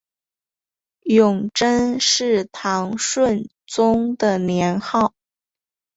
永贞是唐顺宗的年号。